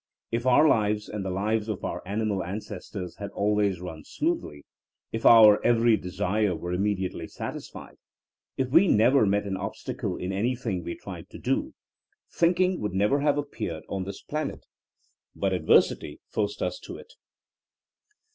If our lives and the lives of our animal ancestors had always run smoothly, if our every desire were immediately satisfied, if we never met an obstacle in anything we tried to do, thinking would never have appeared on this planet. But adversity forced us to it.